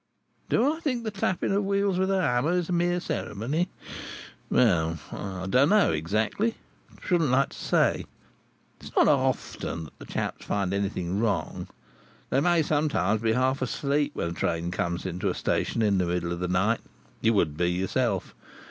"Do I think that the tapping of the wheels with a hammer is a mere ceremony? Well, I don't know exactly; I should not like to say. It's not often that the chaps find anything wrong. They may sometimes be half asleep when a train comes into a station in the middle of the night. You would be yourself.